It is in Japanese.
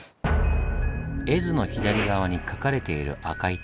絵図の左側に描かれている赤い点。